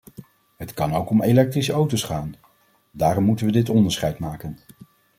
Het kan ook om elektrische auto's gaan, daarom moeten we dit onderscheid maken.